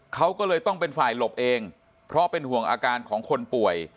เขาก็เลยต้องเป็นฝ่ายหลบเองเพราะเป็นห่วงอาการของคนป่วย